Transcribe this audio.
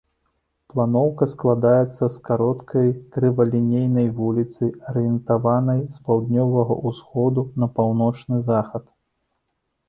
Планоўка складаецца з кароткай крывалінейнай вуліцы, арыентаванай з паўднёвага ўсходу на паўночны захад.